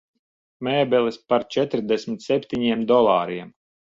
Mēbeles par četrdesmit septiņiem dolāriem.